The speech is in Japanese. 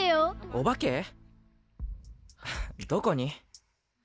どこに？